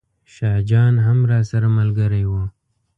شاه جان هم راسره ملګری و.